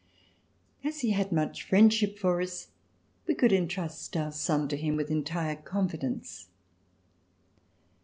As he had much friend ship for us, we could intrust our son to him with entire confidence.